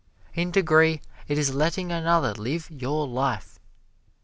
In degree it is letting another live your life.